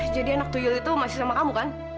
jadi anak tuyul itu masih sama kamu kan